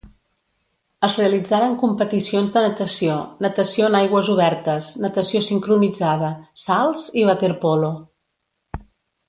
Es realitzaren competicions de natació, natació en aigües obertes, natació sincronitzada, salts i waterpolo.